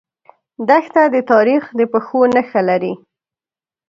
دښته د تاریخ د پښو نخښه لري.